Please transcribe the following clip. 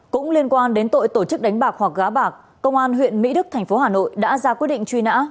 cũng liên quan đến tội tổ chức đánh bạc hoặc gá bạc công an huyện mỹ đức thành phố hà nội đã ra quyết định truy nã